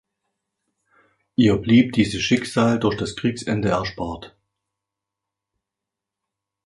Ihr blieb dieses Schicksal durch das Kriegsende erspart.